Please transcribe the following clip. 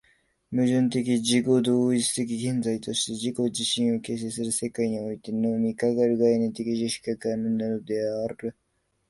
矛盾的自己同一的現在として自己自身を形成する世界においてのみ、かかる概念的知識が可能なのである。